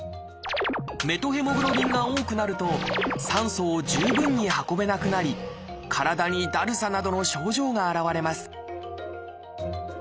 メトヘモグロビンが多くなると酸素を十分に運べなくなり体にだるさなどの症状が現れます